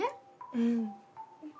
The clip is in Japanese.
うん。